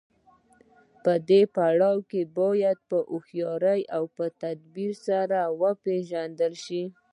دا پړاو باید په هوښیارۍ او تدبیر سره وپیژندل شي.